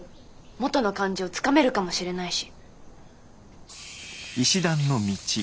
元の感じをつかめるかもしれないし。